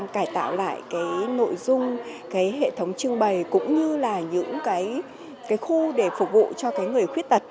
cải tạo lại nội dung hệ thống trưng bày cũng như là những khu để phục vụ cho người khuyết tật